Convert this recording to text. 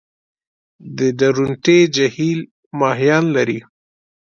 د درونټې جهیل ماهیان لري؟